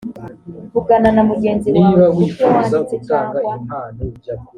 vugana na mugenzi wawe ku byo wanditse cyangwa